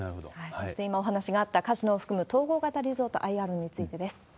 そして今、お話があったカジノを含む統合型リゾート・ＩＲについてです。